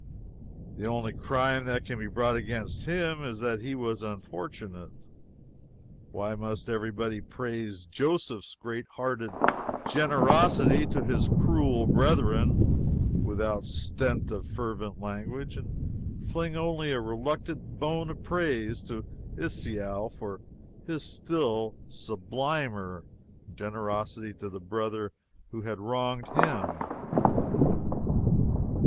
The only crime that can be brought against him is that he was unfortunate. Why must every body praise Joseph's great hearted generosity to his cruel brethren, without stint of fervent language, and fling only a reluctant bone of praise to Esau for his still sublimer generosity to the brother who had wronged him?